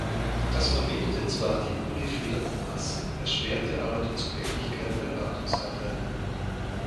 Das verminderte zwar die ungefederten Massen, erschwerte aber die Zugänglichkeit bei Wartungsarbeiten.